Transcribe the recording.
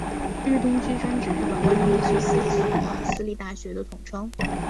日东驹专指日本关东地区四所私立大学的统称。